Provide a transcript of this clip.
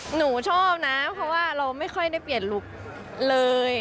หนูชอบนะเพราะว่าเราไม่ค่อยได้เปลี่ยนลุคเลย